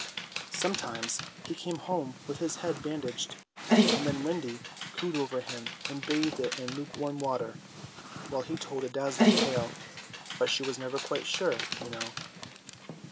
Sometimes he came home with his head bandaged, and then Wendy cooed over him and bathed it in lukewarm water, while he told a dazzling tale. But she was never quite sure, you know.